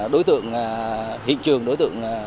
đối tượng hiện trường đối tượng